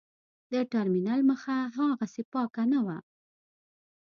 د ټرمینل مخه هاغسې پاکه نه وه.